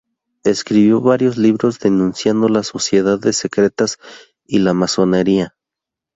Escribió varios libros denunciando las sociedades secretas y la masonería.